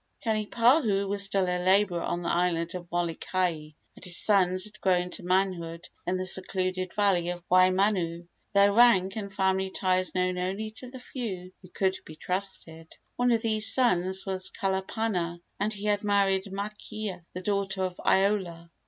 Kanipahu was still a laborer on the island of Molokai, and his sons had grown to manhood in the secluded valley of Waimanu, their rank and family ties known only to a few who could be trusted. One of these sons was Kalapana, and he had married Makea, the daughter of Iola.